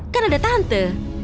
kan ada tante